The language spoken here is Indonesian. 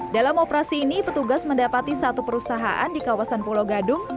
dalam operasi ini petugas mendapati satu perusahaan di kawasan pulau gadung